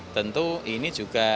tentu ini juga